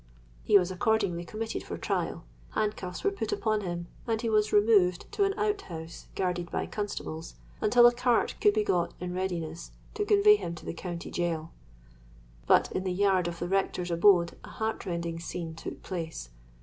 He was accordingly committed for trial—handcuffs were put upon him; and he was removed to an out house, guarded by constables, until a cart could be got in readiness to convey him to the County Gaol. "But in the yard of the rector's abode a heart rending scene took place.